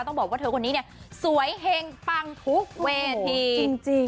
ต้องบอกว่าเธอคนนี้เนี่ยสวยเฮงปังทุกเวทีจริง